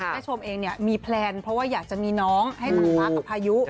ชมเองเนี่ยมีแพลนเพราะว่าอยากจะมีน้องให้สายฟ้ากับพายุ